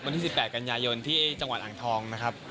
วันที่๑๘กันยายนที่จังหวัดอ่างทองนะครับ